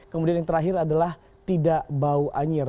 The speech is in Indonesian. kemudian yang terakhir adalah tidak bau anjir